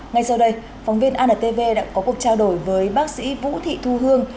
ngay sau đây phóng viên antv đã có cuộc trao đổi với bác sĩ vũ thị thu hương